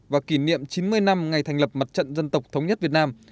và kỷ niệm chín mươi năm ngày thành lập mặt trận dân tộc thống nhất việt nam